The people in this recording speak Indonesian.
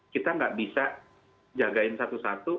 kita nggak bisa jagain satu satu